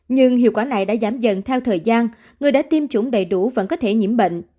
nhưng hiệu quả này đã giảm dần theo thời gian người đã tiêm chủng đầy đủ vẫn có thể nhiễm bệnh